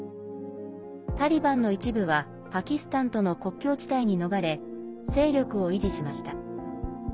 タリバンの一部はパキスタンとの国境地帯に逃れ勢力を維持しました。